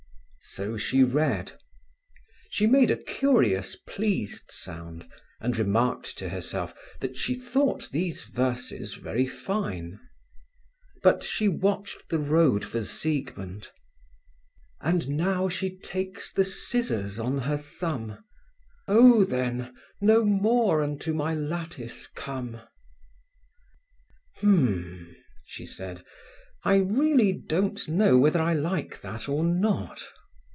So she read. She made a curious, pleased sound, and remarked to herself that she thought these verses very fine. But she watched the road for Siegmund. And now she takes the scissors on her thumb … Oh then, no more unto my lattice come. "H'm!" she said, "I really don't know whether I like that or not."